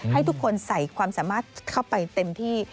ให้ทุกคนใส่ความสามารถเข้าไปเต็มที่